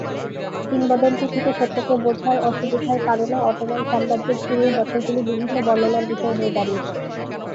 কিংবদন্তি থেকে সত্যকে বোঝার অসুবিধার কারণে অটোমান সাম্রাজ্যের শুরুর বছরগুলি বিভিন্ন বর্ণনার বিষয় হয়ে দাঁড়িয়েছে।